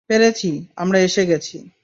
পেরেছি, আমরা এসে গেছি।